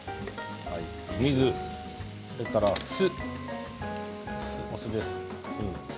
それから酢、お酢です。